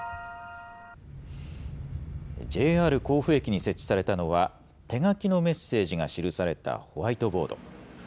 ＪＲ甲府駅に設置されたのは、手書きのメッセージが記されたホワイトボード。